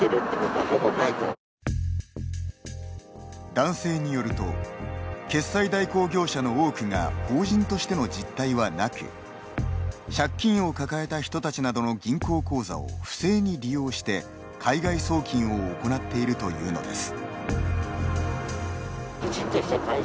男性によると、決済代行業者の多くが法人としての実態はなく借金を抱えた人たちなどの銀行口座を不正に利用して海外送金を行っているというのです。